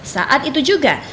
saat itu juga